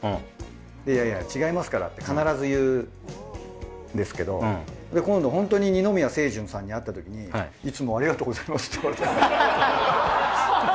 いやいや違いますからって必ず言うんですけど今度ホントに二宮清純さんに会ったときにいつもありがとうございますって言われた。